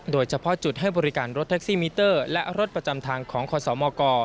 โดยเฉพาะจุดให้บริการรถแท็กซี่มิเตอร์และรถประจำทางของคศมก